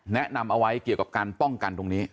แนะนำเอาไว้เกี่ยวกับการป้องกันตรงนี้